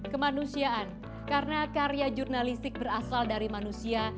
kemanusiaan karena karya jurnalistik berasal dari manusia